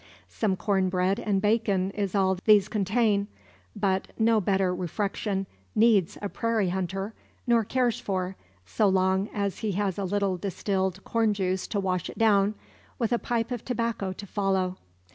Some corn bread and bacon is all these contain; but, no better refection needs a prairie hunter, nor cares for, so long he has a little distilled corn juice to wash it down, with a pipe of tobacco to follow.